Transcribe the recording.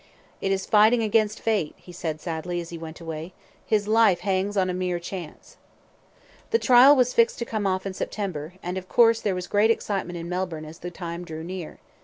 "It is fighting against Fate," he said, sadly, as he went away; "his life hangs on a mere chance." The trial was fixed to come off in September, and, of course, there was great excitement in Melbourne as the time drew near.